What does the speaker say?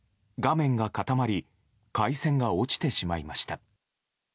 画面が固まり回線が落ちてしまいました。